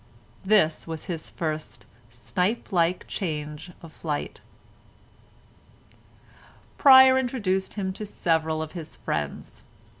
This was his first snipe like change of flight. Pryer introduced him to several of his friends.